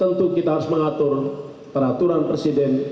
tentu kita harus mengatur peraturan presiden